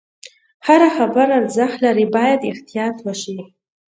هره خبره ارزښت لري، باید احتیاط وشي.